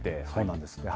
そうなんです。